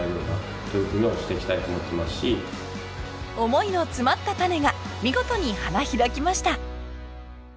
思いの詰まったタネが見事に花開きました。